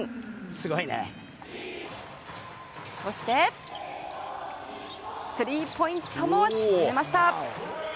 そして、スリーポイントも決めました。